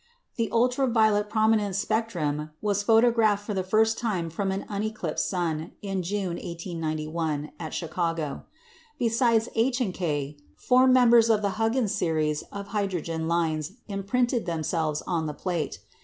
The ultra violet prominence spectrum was photographed for the first time from an uneclipsed sun, in June, 1891, at Chicago. Besides H and K, four members of the Huggins series of hydrogen lines imprinted themselves on the plate.